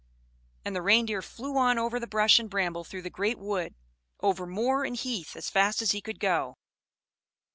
and the Reindeer flew on over bush and bramble through the great wood, over moor and heath, as fast as he could go.